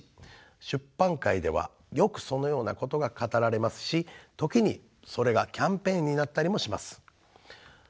出版界ではよくそのようなことが語られますし時にそれがキャンペーンになったりもします。